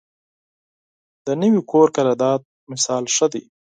د نوي کور قرارداد مثال ښه دی.